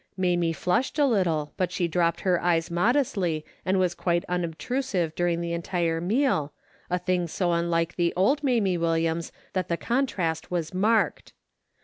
Mamie flushed a little, but she drooped her eyes modestly, and was quite unobtrusive dur ing the entire meal, a thing so unlike the old Mamie Williams that the contrast was marked.